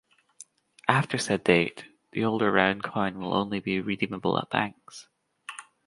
After said date, the older round coin will only be redeemable at banks.